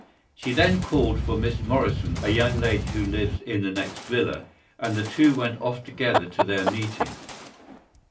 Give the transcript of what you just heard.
She then called for Miss Morrison, a young lady who lives in the next villa, and the two went off together to their meeting.